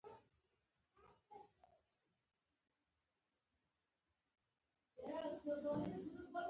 • باران د ښارونو سړکونه مینځي.